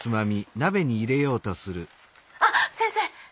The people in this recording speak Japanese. あっ先生。